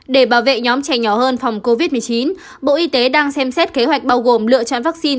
để bảo vệ nhóm trẻ nhỏ hơn phòng covid một mươi chín bộ y tế đang xem xét kế hoạch bao gồm lựa chọn vaccine